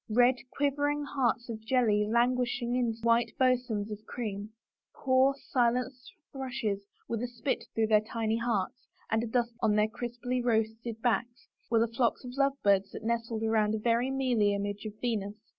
Red, quivering hearts of jelly languished in white bosoms of cream; poor, silenced thrushes, with a spit through their tiny hearts and a dusting of sugar on their crisply roasted backs, were the flocks of love birds that nestled around a very mealy image of Venus.